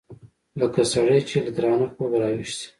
لکه سړى چې له درانه خوبه راويښ سي.